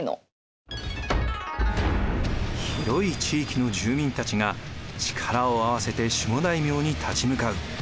広い地域の住民たちが力を合わせて守護大名に立ち向かう。